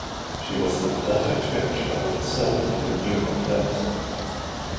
She was the perfect picture of a servant who knew her place.